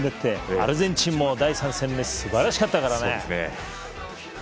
アルゼンチンも第３戦すばらしかったからね。